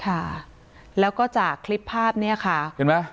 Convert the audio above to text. ค่ะแล้วก็จากคลิปภาพเนี้ยค่ะเห็นไหม